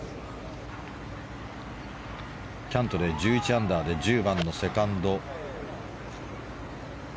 キャントレー１１アンダーで１０番のセカンド。